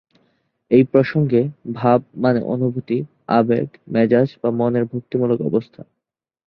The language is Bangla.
এই প্রসঙ্গে "ভাব" মানে "অনুভূতি", "আবেগ", "মেজাজ", বা "মনের ভক্তিমূলক অবস্থা"।